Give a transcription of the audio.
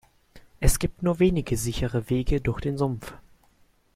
Es gibt nur wenige sichere Wege durch den Sumpf.